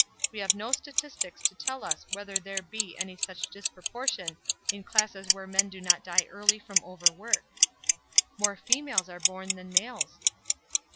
We have no statistics to tell us whether there be any such disproportion in classes where men do not die early from overwork." "More females are born than males."